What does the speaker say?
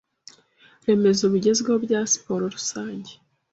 remezo bigezweho bya siporo rusange